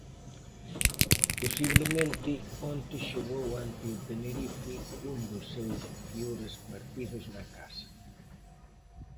Posiblemente onte xogou ante o Tenerife un dos seus peores partidos na casa.